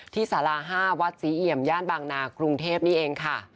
สารา๕วัดศรีเอี่ยมย่านบางนากรุงเทพนี่เองค่ะ